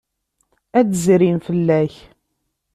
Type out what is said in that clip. Ad d-zrin fell-ak.